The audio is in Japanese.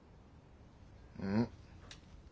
うん？